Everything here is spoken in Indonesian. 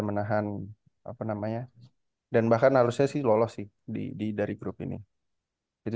menahan apa namanya dan bahkan harusnya sih lolos sih di dari grup ini itu sih udah lu gimana ya kalau